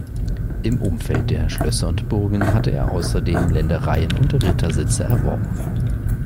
Im Umfeld der Schlösser und Burgen hatte er außerdem Ländereien und Rittersitze erworben.